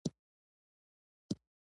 دا بالښتونه په فرش باندې خپاره شوي وو